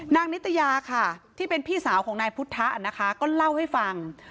นิตยาค่ะที่เป็นพี่สาวของนายพุทธะนะคะก็เล่าให้ฟัง